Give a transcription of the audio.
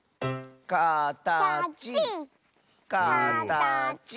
「かたちかたち」